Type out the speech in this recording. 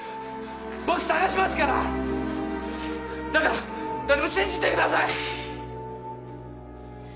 僕探しますからだから信じてください